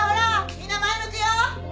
みんな前向くよ。